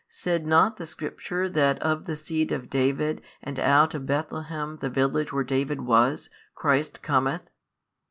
said not the Scripture that of the seed of David and out of Bethlehem the village where David was, Christ |561 cometh?